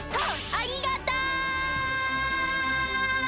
ありがとう！